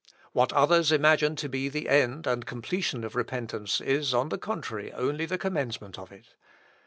What others imagine to be the end and completion of repentance is, on the contrary, only the commencement of it.